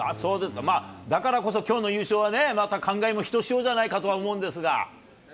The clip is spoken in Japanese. まあ、だからこそ、きょうの優勝はね、また感慨もひとしおじゃないかと思うんですが。